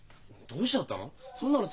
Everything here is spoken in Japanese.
どうしちゃったの？